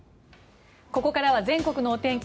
ここからは全国のお天気